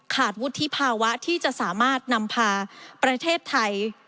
วุฒิภาวะที่จะสามารถนำพาประเทศไทย